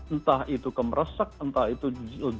entah itu kemeresak entah itu datanya lebar